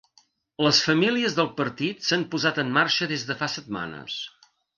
Les famílies del partit s’han posat en marxa des de fa setmanes.